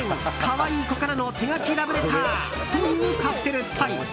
かわいい子からの“手書き”ラブレターというカプセルトイ。